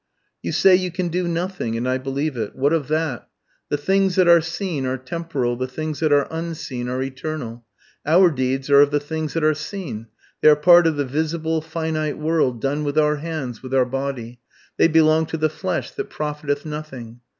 "You say you can do nothing, and I believe it. What of that? The things that are seen are temporal, the things that are unseen are eternal. Our deeds are of the things that are seen; they are part of the visible finite world, done with our hands, with our body. They belong to the flesh that profiteth nothing.